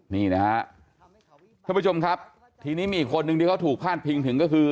นี่นะครับที่นี้มีคนนึงที่เขาถูกพลาดพิงถึงก็คือ